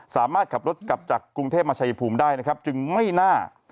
สามารถขับรถกลับจากกรุงเทพมาชายภูมิได้นะครับจึงไม่น่า